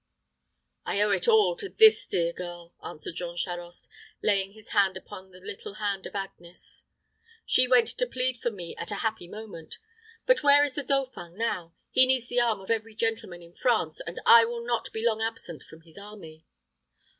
"I owe it all to this dear girl," answered Jean Charost, laying his hand upon the little hand of Agnes. "She went to plead for me at a happy moment. But where is the dauphin now? He needs the arm of every gentleman in France, and I will not be long absent from his army."